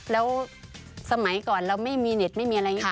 แล้วสมัยก่อนเราไม่มีเน็ตไม่มีอะไรอย่างนี้